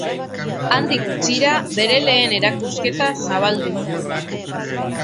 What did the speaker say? Handik gutxira bere lehen erakusketa zabaldu zuen.